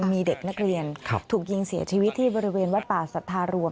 มีเด็กนักเรียนถูกยิงเสียชีวิตที่บริเวณวัดป่าสัทธารวม